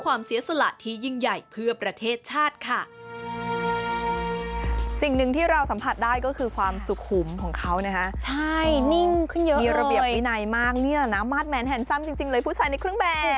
เก็บพินัยมากเนี่ยนะมาสแมนแฮนซัมจริงเลยผู้ชายในเครื่องแบบ